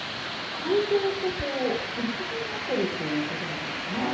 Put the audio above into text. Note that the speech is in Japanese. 会場と一体になっているということなんですね。